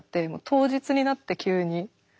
当日になって急に。